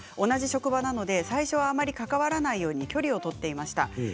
同じ職場なので最初はあまり関わらないように距離を取っていました。